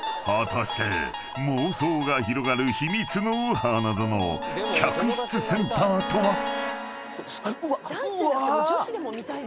［果たして妄想が広がる秘密の花園客室センターとは？］